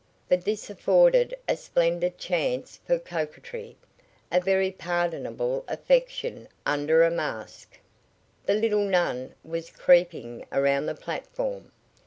But this afforded a splendid chance for coquetry a very pardonable affectation under a mask. The little nun was creeping around the platform.